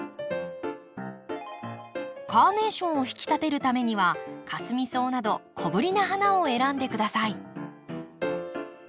カーネーションを引き立てるためにはカスミソウなど小ぶりな花を選んで下さい。